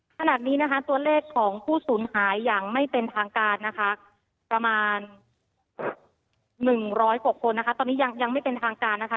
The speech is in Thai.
ขณะนี้นะคะตัวเลขของผู้สูญหายอย่างไม่เป็นทางการนะคะประมาณ๑๐๐กว่าคนนะคะตอนนี้ยังไม่เป็นทางการนะคะ